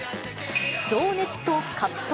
情熱と葛藤。